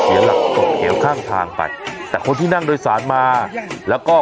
หลักตกเหวข้างทางไปแต่คนที่นั่งโดยสารมาแล้วก็